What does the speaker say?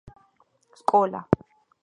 სკოლა